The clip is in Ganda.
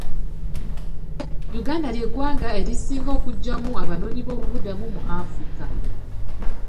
Uganda lye ggwanga erisinga okujjamu abanoonyiboobubudamu mu Africa.